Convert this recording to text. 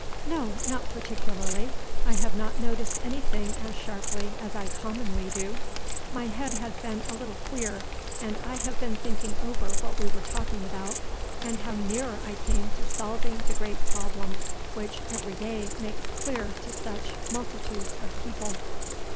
"No, not particularly; I have not noticed anything as sharply as I commonly do; my head has been a little queer, and I have been thinking over what we were talking about, and how near I came to solving the great problem which every day makes clear to such multitudes of people.